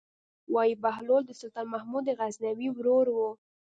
وايي بهلول د سلطان محمود غزنوي ورور و.